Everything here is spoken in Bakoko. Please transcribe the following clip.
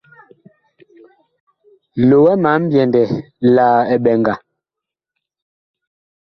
Loɛ ma mbyɛndɛ la eɓɛŋga.